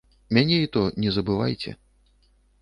Мяне і то не забываеце.